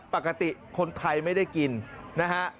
ปกติคนไทยไม่ได้กินนะฮะ